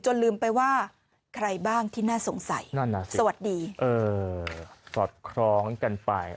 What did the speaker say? ลืมไปว่าใครบ้างที่น่าสงสัยนั่นน่ะสิสวัสดีเออสอดคล้องกันไป